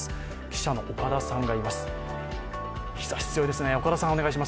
記者の岡田さんがいます。